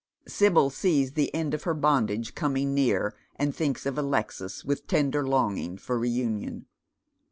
Sibyl sees the end of her bondage coming near, and thinks of Alexis with tender longing for reunion.